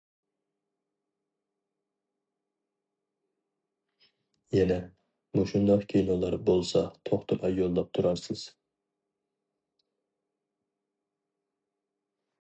يەنە مۇشۇنداق كىنولار بولسا توختىماي يوللاپ تۇرارسىز!